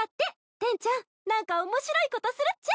テンちゃん何か面白いことするっちゃ。